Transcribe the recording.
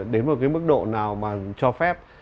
đến một cái mức độ nào mà cho phép